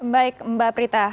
baik mbak prita